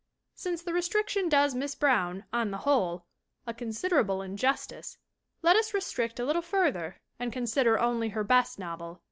Since the restriction does Miss Brown, on the whole, a con siderable injustice, let us restrict a little further and consider only her best novel.